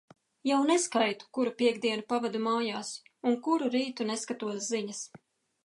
Jau neskaitu, kuru piektdienu pavadu mājās un kuru rītu neskatos ziņas.